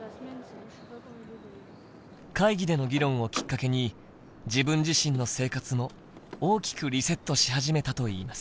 会議での議論をきっかけに自分自身の生活も大きくリセットし始めたといいます。